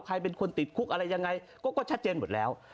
ใครเป็นคนติดคุกอะไรยังไงก็ชัดเจนหมดแล้ว